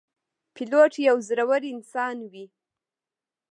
پیلوټ یو زړهور انسان وي.